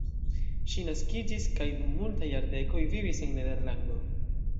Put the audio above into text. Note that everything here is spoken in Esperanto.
Ŝi naskiĝis kaj dum multaj jardekoj vivis en Nederlando.